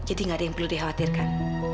jadi enggak ada yang perlu dikhawatirkan